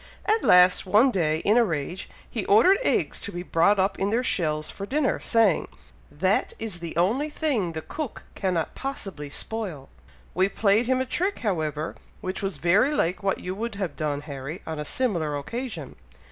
At last, one day, in a rage, he ordered eggs to be brought up in their shells for dinner, saying, 'that is the only thing the cook cannot possibly spoil.' We played him a trick, however, which was very like what you would have done, Harry, on a similar occasion.